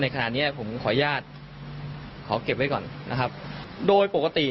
ในขณะนี่ผมขอยาจะขอเก็บไว้ก่อนนะครับโดยปกติ